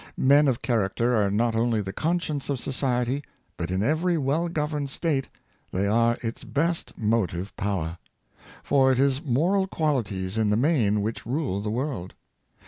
Men of char acter are not only the conscience of society, but in every well governed State they are its best motive power; for it is moral qualities in the main which rule the world.